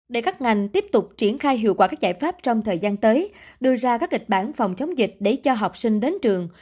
để các ngành tiếp tục triển khai hiệu quả các giải pháp trong thời gian tới đưa ra các kịch bản phòng chống dịch để cho học sinh đến trường